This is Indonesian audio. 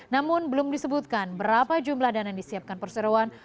namun belum disebutkan berapa jumlah dana yang disiapkan perseroan